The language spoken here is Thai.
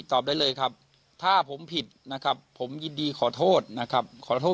ตอบได้เลยครับถ้าผมผิดนะครับผมยินดีขอโทษนะครับขอโทษ